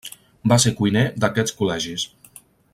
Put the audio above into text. Va ser cuiner d'aquests col·legis.